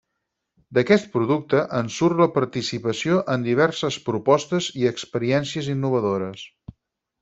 D'aquest producte en surt la participació en diverses propostes i experiències innovadores.